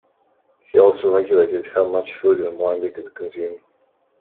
He also regulated how much food and wine they could consume.